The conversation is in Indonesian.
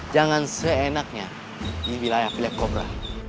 jangan seenaknya di wilayah kulit cobra